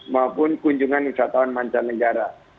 maupun kunjungan usahawan mancanegara